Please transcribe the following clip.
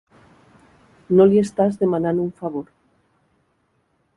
No li estàs demanant un favor.